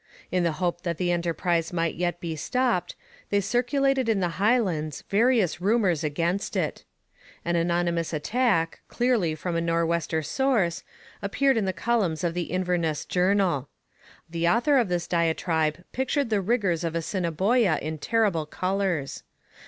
In the hope that the enterprise might yet be stopped, they circulated in the Highlands various rumours against it. An anonymous attack, clearly from a Nor'wester source, appeared in the columns of the Inverness Journal. The author of this diatribe pictured the rigours of Assiniboia in terrible colours.